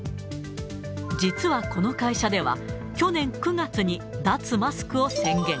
実はこの会社では、去年９月に脱マスクを宣言。